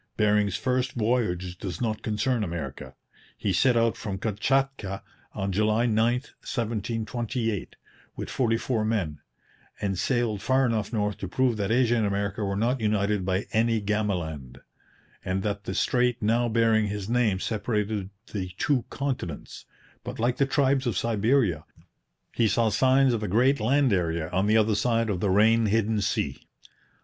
Bering's first voyage does not concern America. He set out from Kamchatka on July 9, 1728, with forty four men, and sailed far enough north to prove that Asia and America were not united by any Gamaland, and that the strait now bearing his name separated the two continents; but, like the tribes of Siberia, he saw signs of a great land area on the other side of the rain hidden sea.